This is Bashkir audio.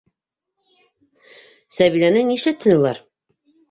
Сәбиләне нишләтһен улар?